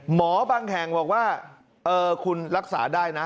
บางแห่งบอกว่าคุณรักษาได้นะ